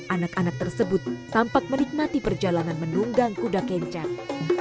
anak anak tersebut tampak menikmati perjalanan menunggang kuda kencang